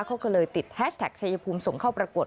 เขาก็เลยติดแฮชแท็กชายภูมิส่งเข้าประกวด